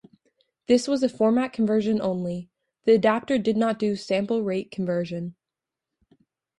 This was a format conversion only, the adapter did not do sample rate conversion.